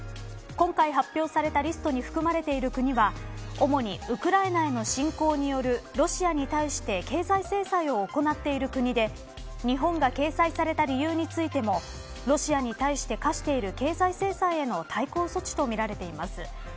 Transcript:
今回発表されたリストに含まれている国は主にウクライナへの侵攻によるロシアに対して経済制裁を行っている国で日本が掲載された理由についてもロシアに対して科している経済制裁への対抗措置とみられています。